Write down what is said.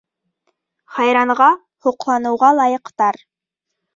Хайранға-һоҡланыуға лайыҡтар.